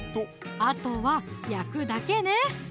あとは焼くだけね